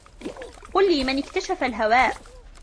قل لي من اكتشف الهواء